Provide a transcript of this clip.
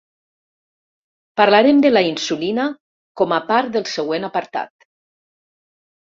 Parlarem de la insulina, com a part del següent apartat.